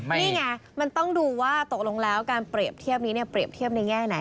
นี่ไงมันต้องดูว่าตกลงแล้วการเปรียบเทียบนี้เนี่ยเปรียบเทียบในแง่ไหน